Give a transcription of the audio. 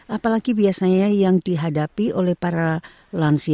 apalagi biasanya yang dihadapi oleh para lansia